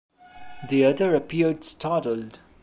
The other appeared startled.